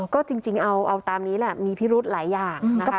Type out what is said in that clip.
ก็จริงเอาตามนี้แหละมีพิรุธหลายอย่างนะคะ